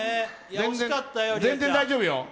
全然大丈夫よ。